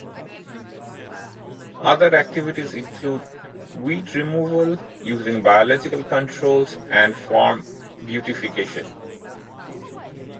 Other activities include weed removal, using biological controls and farm beautification.